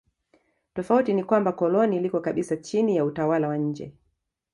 Tofauti ni kwamba koloni liko kabisa chini ya utawala wa nje.